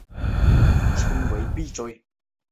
菊石目壳有间隔的部份称为闭锥。